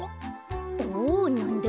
おっなんだ？